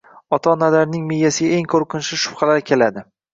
Ota-onalarning miyasiga eng ko‘rqinchli shubhalar keladi.